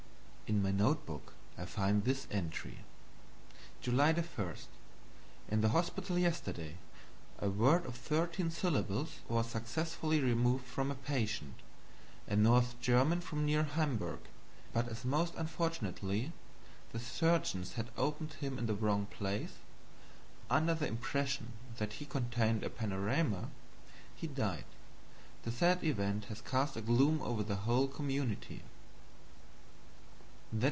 In my note book I find this entry: July 1. In the hospital yesterday, a word of thirteen syllables was successfully removed from a patient a North German from near Hamburg; but as most unfortunately the surgeons had opened him in the wrong place, under the impression that he contained a panorama, he died. The sad event has cast a gloom over the whole community.